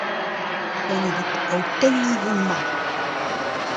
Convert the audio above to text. Poent eo dit aotenniñ va mab.